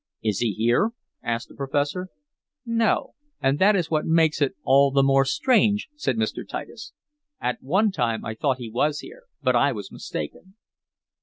"Is he here?" asked the professor. "No. And that is what makes it all the more strange," said Mr. Titus. "At one time I thought he was here, but I was mistaken."